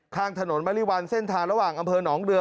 ข้างถนนมริวัลเส้นทางระหว่างอำเภอหนองเรือ